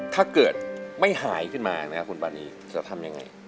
ถ้าเกิดไม่หายขึ้นมานะครับคุณปานีจะทำยังไง